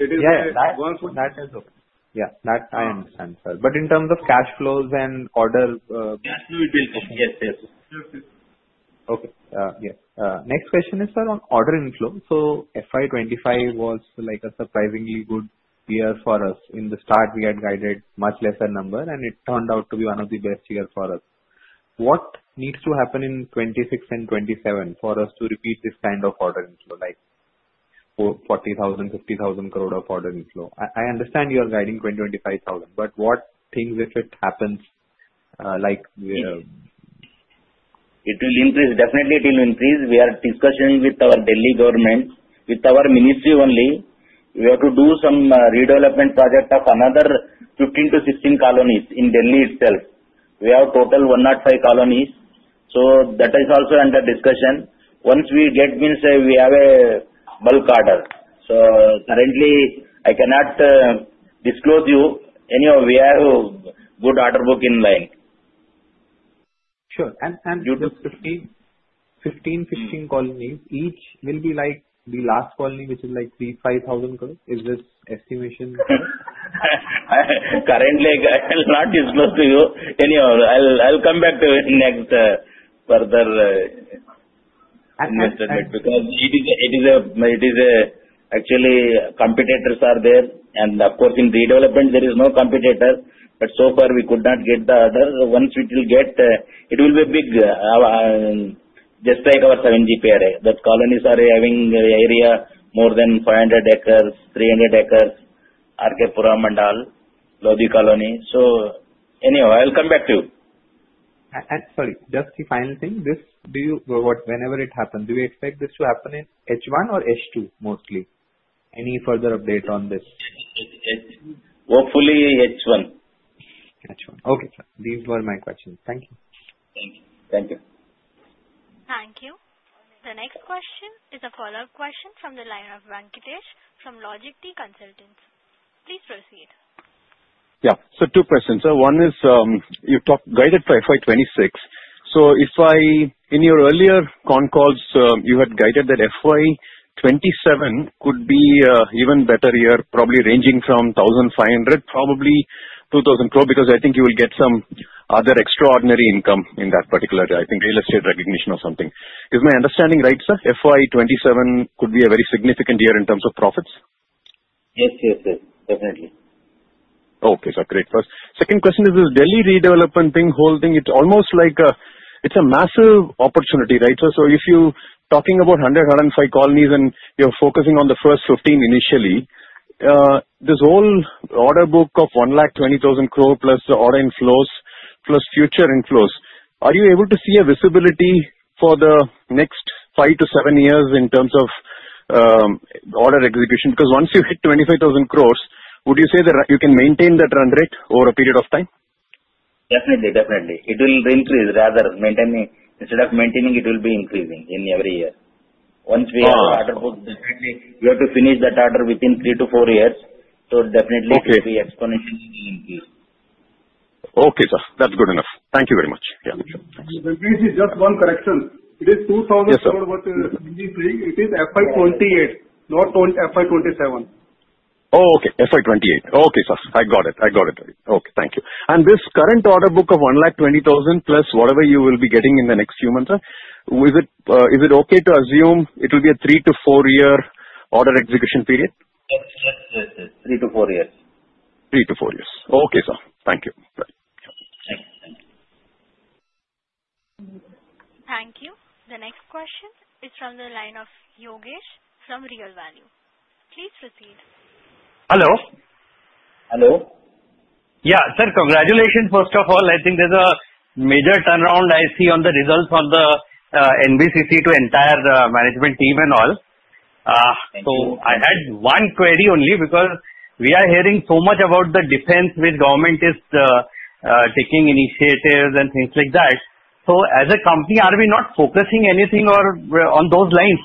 [SPEAKER 5] It is the.
[SPEAKER 13] Yeah. That is okay. Yeah. That I understand, sir. But in terms of cash flows and order.
[SPEAKER 3] Yes. It will come. Yes. Yes.
[SPEAKER 13] Okay. Yes. Next question is, sir, on order inflow. So FY25 was like a surprisingly good year for us. In the start, we had guided much lesser number, and it turned out to be one of the best years for us. What needs to happen in 26 and 27 for us to repeat this kind of order inflow like 40,000 crore, 50,000 crore of order inflow? I understand you are guiding 20,000-25,000 crore. But what things if it happens like?
[SPEAKER 3] It will increase. Definitely, it will increase. We are discussing with our Delhi government, with our ministry only. We have to do some redevelopment project of another 15-16 colonies in Delhi itself. We have total 105 colonies. So that is also under discussion. Once we get, means we have a bulk order. So currently, I cannot disclose you any of we have good order book in line.
[SPEAKER 13] Sure. And. Due to 15-16 colonies, each will be like the last colony, which is like ₹3-5,000 crore. Is this estimation correct?
[SPEAKER 3] Currently, I will not disclose to you any of. I'll come back to it next further investment because it is actually competitors are there. And of course, in redevelopment, there is no competitor. But so far, we could not get the order. Once we will get, it will be big. Just like our 7GPRA, that colonies are having area more than 500 acres, 300 acres, R.K. Puram and all, Lodhi Colony. So anyway, I'll come back to you.
[SPEAKER 13] And sorry, just the final thing. Whenever it happens, do we expect this to happen in H1 or H2 mostly? Any further update on this?
[SPEAKER 3] Hopefully, H1.
[SPEAKER 13] Okay. These were my questions. Thank you.
[SPEAKER 3] Thank you.
[SPEAKER 1] Thank you. The next question is a follow-up question from the line of Venkatesh from LogicTree Investment Advisories. Please proceed.
[SPEAKER 14] Yeah. So two questions. One is, you've guided for FY26. So in your earlier con calls, you had guided that FY27 could be even better year, probably ranging from 1,500, probably 2,000 crore because I think you will get some other extraordinary income in that particular, I think, real estate recognition or something. Is my understanding right, sir? FY27 could be a very significant year in terms of profits?
[SPEAKER 3] Yes. Yes. Yes. Definitely.
[SPEAKER 14] Okay, sir. Great. First, second question is this Delhi redevelopment thing, whole thing, it's almost like it's a massive opportunity, right, sir? So if you're talking about 100, 105 colonies and you're focusing on the first 15 initially, this whole order book of 120,000 crore plus the order inflows plus future inflows, are you able to see a visibility for the next five to seven years in terms of order execution? Because once you hit 25,000 crores, would you say that you can maintain that run rate over a period of time?
[SPEAKER 3] Definitely. It will increase rather. Instead of maintaining, it will be increasing in every year. Once we have the order book, definitely we have to finish that order within three to four years. So definitely, it will be exponentially increase.
[SPEAKER 14] Okay, sir. That's good enough. Thank you very much. Yeah.
[SPEAKER 5] Venkatesh, just one correction. It is 2,000 crore what you are saying. It is FY28, not FY27.
[SPEAKER 14] Oh, okay. FY28. Okay, sir. I got it. I got it. Okay. Thank you. And this current order book of 120,000 plus whatever you will be getting in the next few months, is it okay to assume it will be a three to four-year order execution period?
[SPEAKER 3] Yes. Yes. Yes. Three to four years.
[SPEAKER 14] Three to four years. Okay, sir. Thank you.
[SPEAKER 3] Thank you.
[SPEAKER 1] Thank you. The next question is from the line of Yogesh from Real Value. Please proceed.
[SPEAKER 15] Hello.
[SPEAKER 3] Hello.
[SPEAKER 15] Yeah. Sir, congratulations. First of all, I think there's a major turnaround I see on the results on the NBCC to entire management team and all. So I had one query only because we are hearing so much about the defense which government is taking initiatives and things like that. So as a company, are we not focusing anything on those lines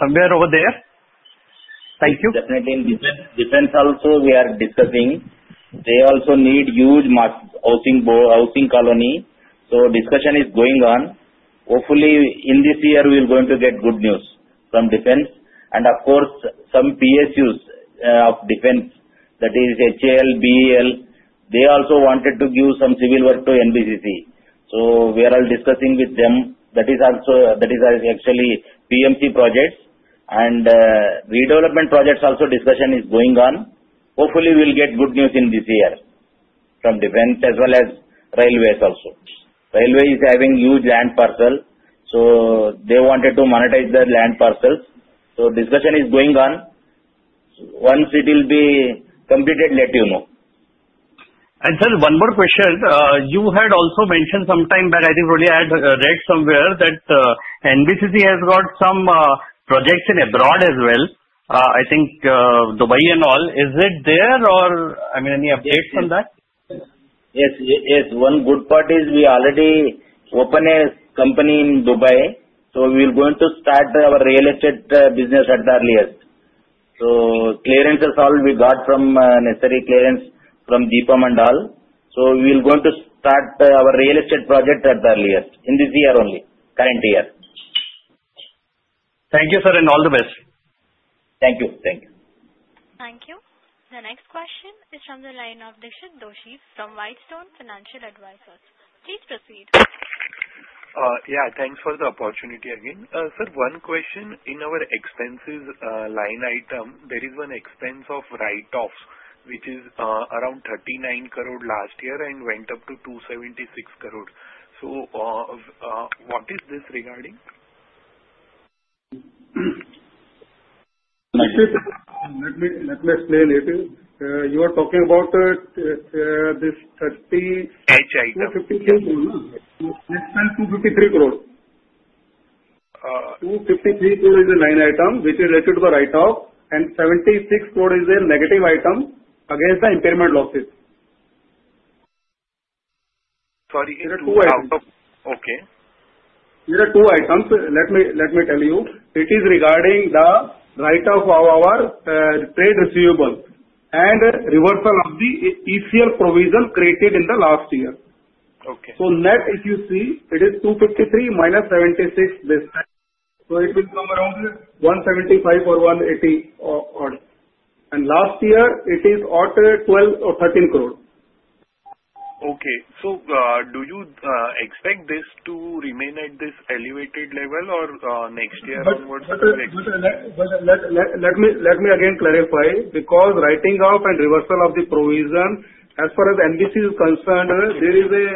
[SPEAKER 15] somewhere over there? Thank you.
[SPEAKER 3] Definitely. Defense also, we are discussing. They also need huge housing colony. So discussion is going on. Hopefully, in this year, we are going to get good news from defense. And of course, some PSUs of defense, that is HAL, BEL, they also wanted to give some civil work to NBCC. So we are all discussing with them. That is actually PMC projects. And redevelopment projects also, discussion is going on. Hopefully, we will get good news in this year from defense as well as railways also. Railways is having huge land parcel. So they wanted to monetize the land parcels. So discussion is going on. Once it will be completed, let you know.
[SPEAKER 15] Sir, one more question. You had also mentioned sometime back, I think I had read somewhere, that NBCC has got some projects abroad as well, I think Dubai and all. Is it there or I mean, any updates on that?
[SPEAKER 3] Yes. Yes. One good part is we already opened a company in Dubai. So we are going to start our real estate business at the earliest. So clearances all we got from necessary clearance from DIPAM and all. So we are going to start our real estate project at the earliest in this year only, current year.
[SPEAKER 15] Thank you, sir, and all the best.
[SPEAKER 3] Thank you. Thank you.
[SPEAKER 1] Thank you. The next question is from the line of Dixit Doshi from Whitestone Financial Advisories. Please proceed.
[SPEAKER 6] Yeah. Thanks for the opportunity again. Sir, one question. In our expenses line item, there is one expense of write-offs which is around 39 crore last year and went up to 276 crore. So what is this regarding?
[SPEAKER 5] Let me explain. You are talking about this 30.
[SPEAKER 3] H item.
[SPEAKER 5] This is 253 crore. 253 crore is the line item which is related to the write-off, and 76 crore is a negative item against the impairment losses. Sorry. There are two items.
[SPEAKER 6] Okay.
[SPEAKER 5] There are two items. Let me tell you. It is regarding the write-off of our trade receivables and reversal of the ECL provision created in the last year. So net, if you see, it is 253 minus 76. So it will come around 175 crore or 180 crore. And last year, it is at 12 crore or 13 crore.
[SPEAKER 6] Okay. So do you expect this to remain at this elevated level or next year onwards?
[SPEAKER 5] Let me again clarify because writing off and reversal of the provision, as far as NBCC is concerned, there is a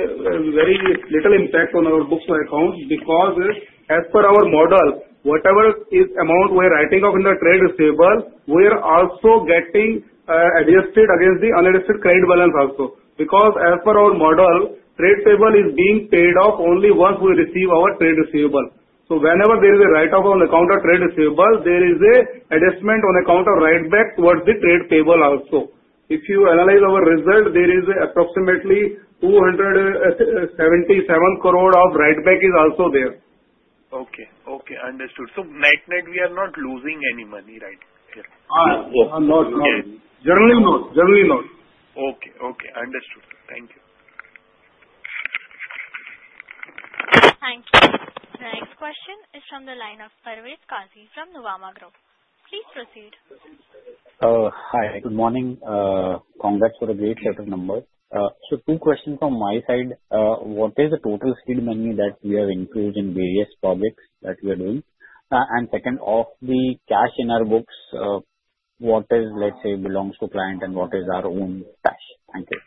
[SPEAKER 5] very little impact on our books of accounts because as per our model, whatever amount we are writing off in the trade receivable, we are also getting adjusted against the unadjusted credit balance also. Because as per our model, trade payable is being paid off only once we receive our trade receivable. So whenever there is a write-off on account of trade receivable, there is an adjustment on account of write-back towards the trade payable also. If you analyze our result, there is approximately 277 crore of write-back is also there.
[SPEAKER 6] Okay. Okay. Understood. So net net, we are not losing any money, right?
[SPEAKER 5] Generally, not.
[SPEAKER 6] Okay. Okay. Understood. Thank you.
[SPEAKER 1] Thank you. The next question is from the line of Parvez Qazi from Nuvama Group. Please proceed.
[SPEAKER 16] Hi. Good morning. Congrats for a great set of numbers. So two questions from my side. What is the total seed money that we have increased in various projects that we are doing? And second, of the cash in our books, what is, let's say, belongs to client and what is our own cash? Thank you.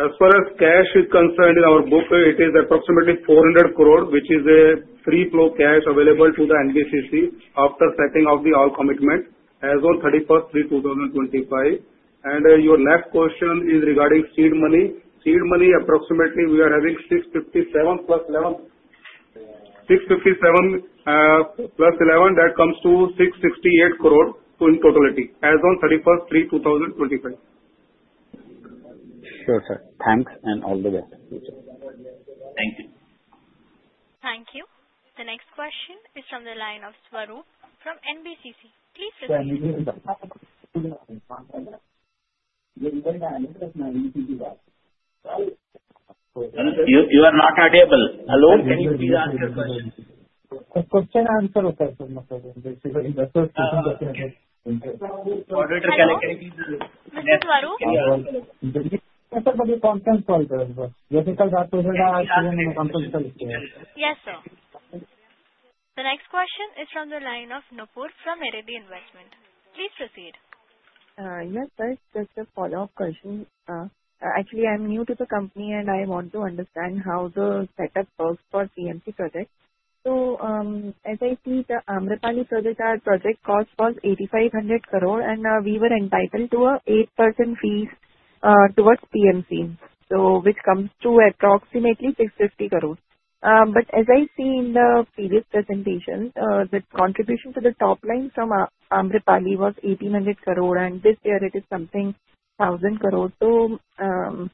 [SPEAKER 5] As far as cash is concerned in our book, it is approximately 400 crore, which is a free flow cash available to the NBCC after setting of the all commitment as of 31st March 2025. And your last question is regarding seed money. Seed money, approximately, we are having 657 plus 11. 657 plus 11, that comes to 668 crore in totality as of 31st March 2025.
[SPEAKER 16] Sure, sir. Thanks and all the best.
[SPEAKER 3] Thank you.
[SPEAKER 1] Thank you. The next question is from the line of Swaroop from NBCC. Please proceed.
[SPEAKER 3] You are not audible. Hello. Can you please ask your question? [INAUDIBLE] A question and answer basically.
[SPEAKER 1] Thank you, Swaroop. The next question is from the line of Nupur from Niriti Investments. Please proceed.
[SPEAKER 10] Yes, sir. Just a follow-up question. Actually, I'm new to the company and I want to understand how the setup works for PMC projects. So as I see the Amrapali project, our project cost was 8,500 crore and we were entitled to an 8% fee towards PMC, which comes to approximately 650 crore. But as I see in the previous presentation, the contribution to the top line from Amrapali was 1,800 crore and this year it is something 1,000 crore. So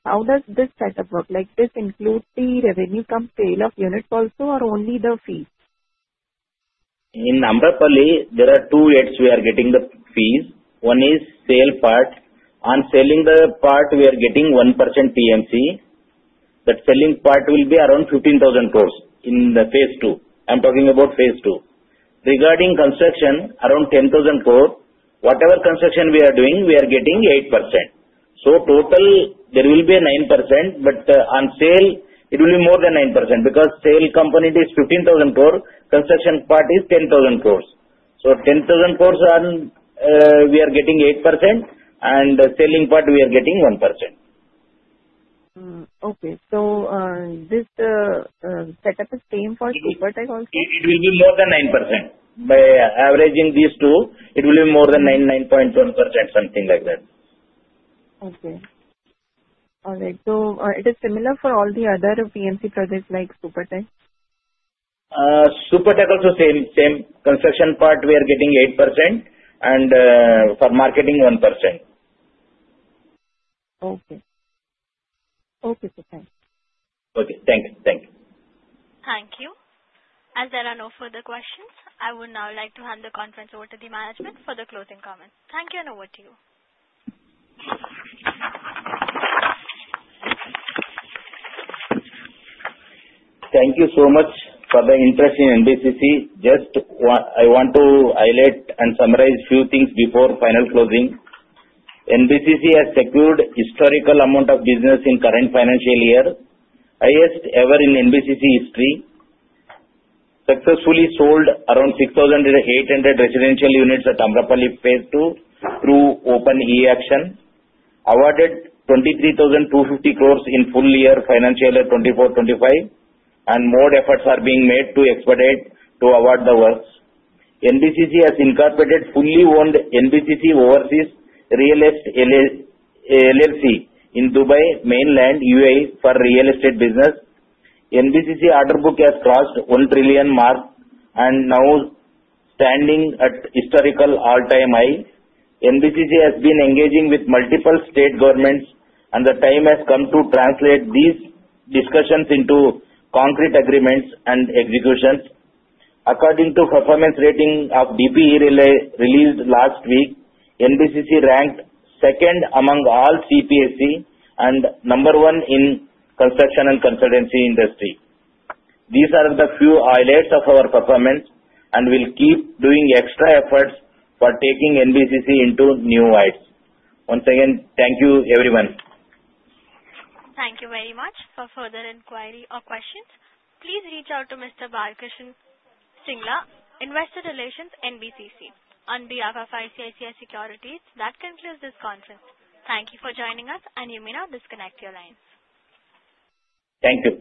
[SPEAKER 10] how does this setup work? Does this include the revenue from sale of units also or only the fee?
[SPEAKER 3] In Amrapali, there are two rates we are getting the fees. One is sale part. On selling the part, we are getting 1% PMC. That selling part will be around 15,000 crore in the phase two. I'm talking about phase two. Regarding construction, around 10,000 crore. Whatever construction we are doing, we are getting 8%. So total, there will be 9%, but on sale, it will be more than 9% because sale company is 15,000 crore, construction part is 10,000 crore. So 10,000 crore we are getting 8% and selling part we are getting 1%.
[SPEAKER 10] Okay. So this setup is same for Supertech also?
[SPEAKER 3] It will be more than 9%. By averaging these two, it will be more than 9.1%, something like that.
[SPEAKER 10] Okay. All right. So it is similar for all the other PMC projects like Supertech?
[SPEAKER 3] Supertech also same. Construction part we are getting 8% and for marketing 1%.
[SPEAKER 10] Okay. So thanks.
[SPEAKER 3] Okay. Thank you. Thank you.
[SPEAKER 1] Thank you. And there are no further questions. I would now like to hand the conference over to the management for the closing comments. Thank you and over to you.
[SPEAKER 3] Thank you so much for the interest in NBCC. Just I want to highlight and summarize a few things before final closing. NBCC has secured historical amount of business in current financial year, highest ever in NBCC history. Successfully sold around 6,800 residential units at Amrapali phase two through open e-auction. Awarded 23,250 crores in full year financial year 2024-25 and more efforts are being made to expedite to award the works. NBCC has incorporated fully owned NBCC Overseas Real Estate LLC in Dubai mainland UAE for real estate business. NBCC order book has crossed 1 trillion mark and now standing at historical all-time high. NBCC has been engaging with multiple state governments and the time has come to translate these discussions into concrete agreements and executions. According to performance rating of DPE released last week, NBCC ranked second among all CPSE and number one in construction and consultancy industry. These are the few highlights of our performance and we will keep doing extra efforts for taking NBCC into new heights. Once again, thank you everyone.
[SPEAKER 1] Thank you very much. For further inquiry or questions, please reach out to Mr. Balkishan Singla, Investor Relations, NBCC. On behalf of ICICI Securities, that concludes this conference. Thank you for joining us and you may now disconnect your lines.
[SPEAKER 3] Thank you.